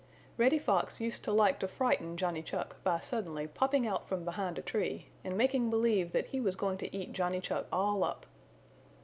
Reddy Fox used to like to frighten Johnny Chuck by suddenly popping out from behind a tree and making believe that he was going to eat Johnny Chuck all up.